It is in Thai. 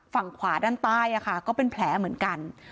ฝั่งขวาด้านใต้ก็เป็นแผลเหมือนกัน